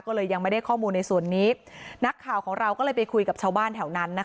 ก็เลยยังไม่ได้ข้อมูลในส่วนนี้นักข่าวของเราก็เลยไปคุยกับชาวบ้านแถวนั้นนะคะ